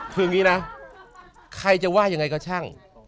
เชิญว่าใครจะว่ายังไงก็ช่าง